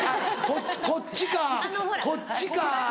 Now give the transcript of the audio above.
こっちかこっちか。